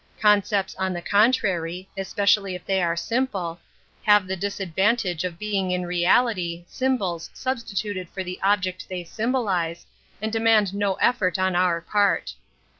Concepts on the contrary — especially if they are simple — have the disadvantage of being in reality symbols substituted for the object they symbolize, and demand no effort on our part.